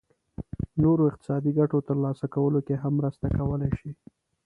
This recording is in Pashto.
نورو اقتصادي ګټو ترلاسه کولو کې هم مرسته کولای شي.